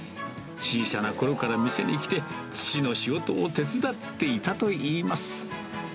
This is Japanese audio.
小さなころから店に来て、父の仕事を手伝っていたといいます。